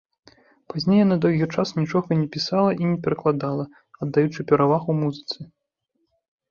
Пазней яна доўгі час нічога не пісала і не перакладала, аддаючы перавагу музыцы.